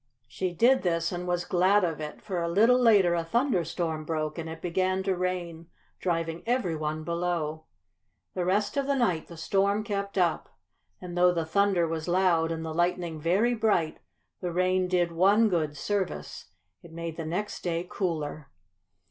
She did this and was glad of it, for a little later a thunderstorm broke, and it began to rain, driving every one below. The rest of the night the storm kept up, and though the thunder was loud and the lightning very bright, the rain did one good service it made the next day cooler.